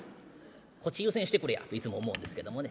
こっち優先してくれやっていつも思うんですけどもね。